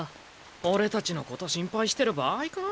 俺たちのこと心配してる場合か？